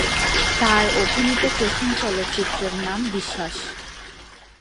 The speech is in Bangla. তার অভিনীত প্রথম চলচ্চিত্রের নাম "বিশ্বাস"।